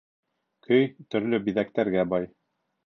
Көй төрлө биҙәктәргә бай